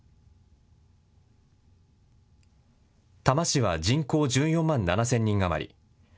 多摩市は人口１４万７０００人余り。